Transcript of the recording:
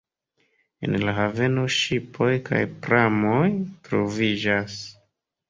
En la haveno ŝipoj kaj pramoj troviĝas.